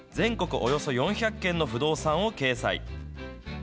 およそ４００件の不動産を掲載。